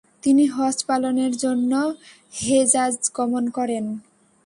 তিনি হজ্জ পালনের জন্য হেজাজ গমন করেন।